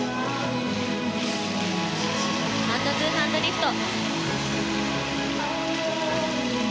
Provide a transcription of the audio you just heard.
ハンドトゥハンドリフト。